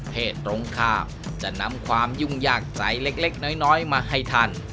เหตุตรงข้ามจะนำความยุ่งยากใจเล็กน้อยมาให้ท่าน